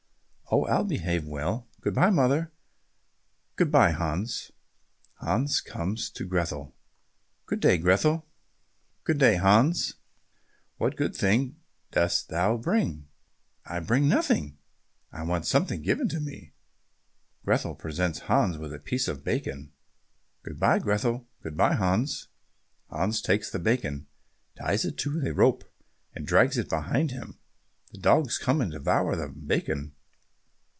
"Oh, I'll behave well. Good bye, mother." "Good bye, Hans." Hans comes to Grethel. "Good day, Grethel." "Good day, Hans. What good thing dost thou bring?" "I bring nothing, I want something given me." Grethel presents Hans with a piece of bacon. "Good bye, Grethel." "Good bye, Hans." Hans takes the bacon, ties it to a rope, and drags it away behind him. The dogs come and devour the bacon.